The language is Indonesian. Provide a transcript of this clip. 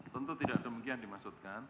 tentu tidak demikian dimaksudkan